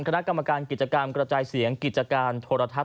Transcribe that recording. คณะกรรมการกิจกรรมกระจายเสียงกิจการโทรทัศน